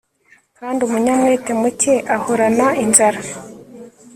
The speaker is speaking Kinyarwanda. kandi umunyamwete muke ahorana inzara